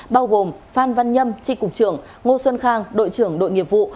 bao gồm phan văn nhâm tri cục trưởng ngô xuân khang đội trưởng đội nghiệp vụ